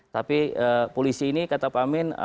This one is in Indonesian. tapi polisi ini kata pak amin